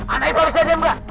anak ipah bisa diem gak